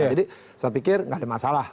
jadi saya pikir gak ada masalah